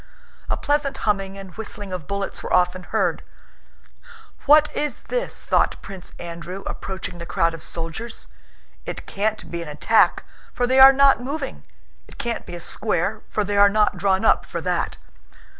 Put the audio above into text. A pleasant humming and whistling of bullets were often heard. "What is this?" thought Prince Andrew approaching the crowd of soldiers. "It can't be an attack, for they are not moving; it can't be a square—for they are not drawn up for that."